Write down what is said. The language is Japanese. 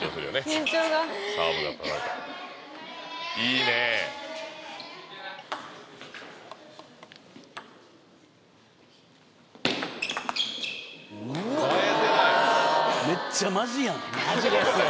緊張がわぁめっちゃマジやんマジですよ